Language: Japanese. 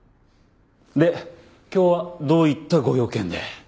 で今日はどういったご用件で？